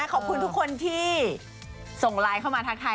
ขอบคุณทุกคนที่ส่งไลน์เข้ามาทักทาย